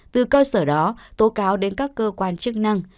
từ cơ sở đó tố cáo đến các cơ quan chức năng